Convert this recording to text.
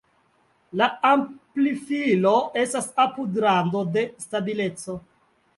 La amplifilo estas apud rando de stabileco.